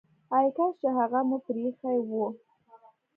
ای کاش چي هغه مو پريښی وو!